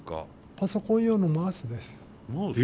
パソコン用のマウスです。